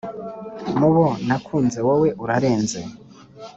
Mubo nakunze wowe urarenze!